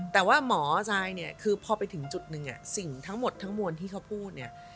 แต่ว่าหมอทรายเนี่ยคือพอไปถึงจุดหนึ่งสิ่งทั้งหมดทั้งมวลที่เขาพูดเนี่ย